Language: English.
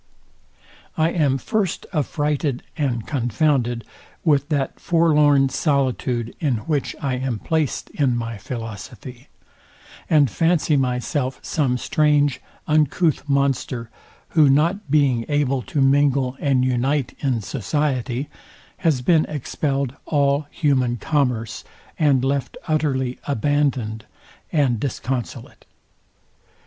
I am first affrighted and confounded with that forelorn solitude, in which I am placed in my philosophy, and fancy myself some strange uncouth monster, who not being able to mingle and unite in society, has been expelled all human commerce, and left utterly abandoned and disconsolate.